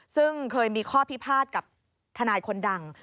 ซึ่งเคยมีข้อพิพาทกับทนายคนดัง